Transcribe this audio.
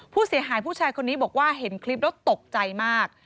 ผู้เสียหายผู้ชายคนนี้บอกว่าเห็นคลิปแล้วตกใจมาก